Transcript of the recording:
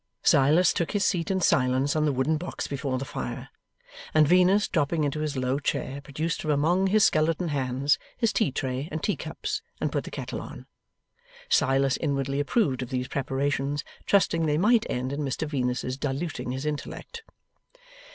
Silas took his seat in silence on the wooden box before the fire, and Venus dropping into his low chair produced from among his skeleton hands, his tea tray and tea cups, and put the kettle on. Silas inwardly approved of these preparations, trusting they might end in Mr Venus's diluting his intellect.